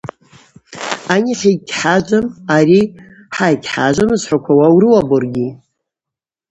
Ани хӏа йгьхӏажвам, ари хӏа йгьхӏажвам – зхӏваквауа урыуапӏ уаргьи.